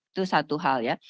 itu satu hal ya